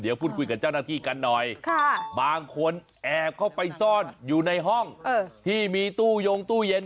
เดี๋ยวพูดคุยกับเจ้าหน้าที่กันหน่อยบางคนแอบเข้าไปซ่อนอยู่ในห้องที่มีตู้ยงตู้เย็น